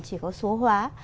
chỉ có số hóa